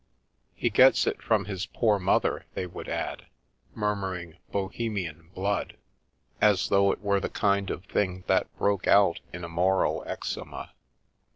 " He gets it from his poor mother," they would add, murmuring " Bohemian blood," as though it were the kind of thing that broke A Long Lost Parent out in a moral eczema.